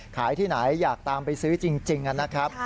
ขายที่ไหนอยากตามไปซื้อจริงนะครับ